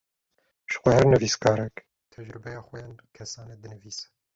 Jixwe her nivîskarek, tecrubeya xwe ya kesane dinivîse